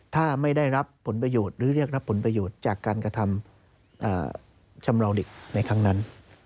ถ้าไม่ได้รับผลประโยชน์หรือเรียกรับผลประโยชน์จากการกระทำชำราวเด็กในครั้งนั้น